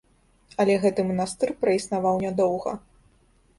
Але гэты манастыр праіснаваў нядоўга.